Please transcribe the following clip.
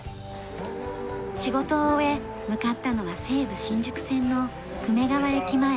仕事を終え向かったのは西武新宿線の久米川駅前。